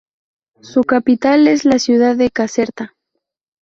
Su capital es la ciudad de Caserta.